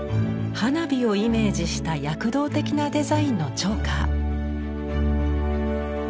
花火をイメージした躍動的なデザインのチョーカー。